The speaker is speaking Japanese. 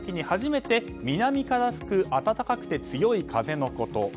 初めて南から吹く暖かくて強い風のこと。